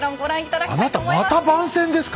あなたまた番宣ですか！